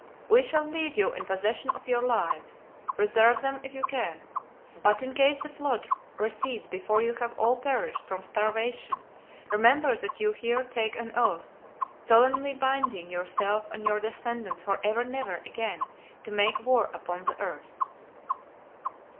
We shall leave you in possession of your lives. Preserve them if you can. But, in case the flood recedes before you have all perished from starvation, remember that you here take an oath, solemnly binding yourself and your descendants forever never again to make war upon the earth."